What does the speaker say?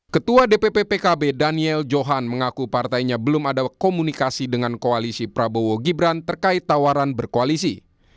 ketua dpp pkb daniel johan mengaku partainya belum ada komunikasi dengan koalisi prabowo gibran terkait tawaran berkoalisi